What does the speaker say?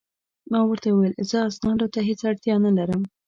ما ورته وویل: زه اسنادو ته هیڅ اړتیا نه لرم.